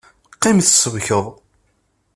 Qqim tsebkeḍ!